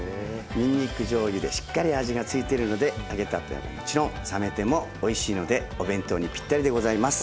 にんにくじょうゆでしっかり味が付いてるので揚げたてはもちろん冷めてもおいしいのでお弁当にぴったりでございます。